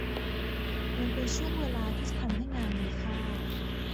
มันเป็นช่วงเวลาที่จะทำให้งานมีค่า